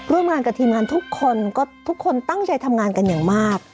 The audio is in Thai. ร่วมงานกับทีมงานทุกคนก็ทุกคนตั้งใจทำงานกันอย่างมาก